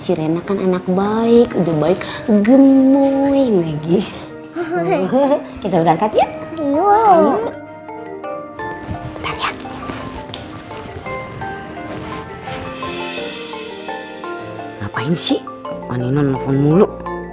karena kan anak baik udah baik gemoing lagi kita berangkat ya ngapain sih wani non mulu